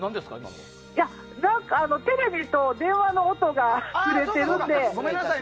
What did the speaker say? テレビと電話の音がずれてるので。